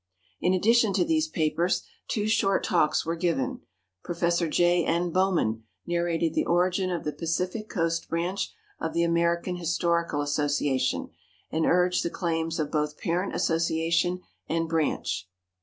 In addition to these papers, two short talks were given. Prof. J. N. Bowman narrated the origin of the Pacific Coast Branch of the American Historical Association, and urged the claims of both parent Association and Branch.